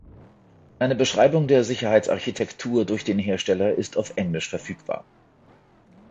Eine Beschreibung der Sicherheitsarchitektur durch den Hersteller ist auf Englisch verfügbar.